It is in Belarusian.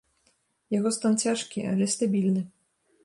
Яго стан цяжкі, але стабільны.